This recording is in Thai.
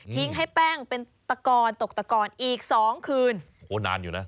ให้แป้งเป็นตะกอนตกตะกอนอีกสองคืนโอ้นานอยู่นะ